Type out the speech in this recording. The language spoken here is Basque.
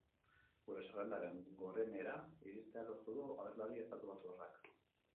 Gure zerrendaren gorenera iristea lortu du abeslari estatubatuarrak.